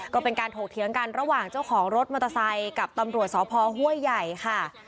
ก็เป็นการถกเถียงกันระหว่างเจ้าของรถมอเตอร์ไซค์กับตำรวจสพห้วยใหญ่ค่ะ